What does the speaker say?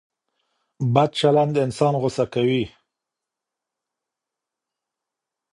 بد چلند انسان غوسه کوي.